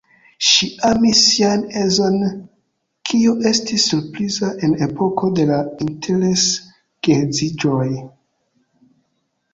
Ŝi amis sian edzon, kio estis surpriza en epoko de la interes-geedziĝoj.